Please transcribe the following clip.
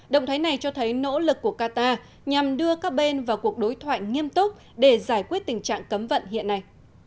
động thái này cho thấy nỗ lực của qatar nhằm đưa các bên vào cuộc đối thoại nghiêm túc để giải quyết tình trạng cấm vận hiện nay